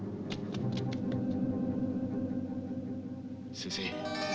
先生